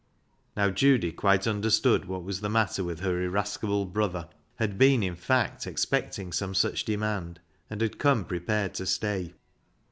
Now Judy quite understood what was the matter with her irascible brother, had been, in fact, expecting some such demand, and had come prepared to stay.